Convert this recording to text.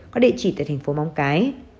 có địa chỉ tại thành phố móng cái